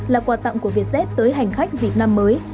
là quà tặng của vietjet tới hành khách dịp năm mới